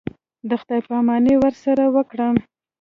د خداى پاماني ورسره وكړم.